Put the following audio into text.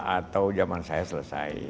atau zaman saya selesai